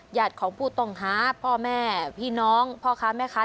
ญาติของผู้ต้องหาพ่อแม่พี่น้องพ่อค้าแม่ค้า